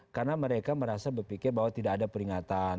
karena mereka merasa berpikir bahwa tidak ada peringatan